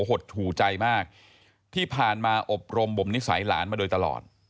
หดหู่ใจมากที่ผ่านมาอบรมบ่มนิสัยหลานมาโดยตลอด